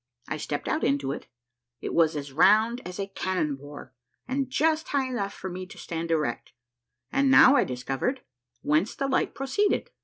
I stepped out into it ; it was as round as a cannon bore and just high enough for me to stand erect ; and now I discovered whence the light proceeded.